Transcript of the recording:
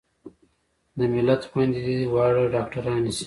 د ملت خويندې دې واړه ډاکترانې شي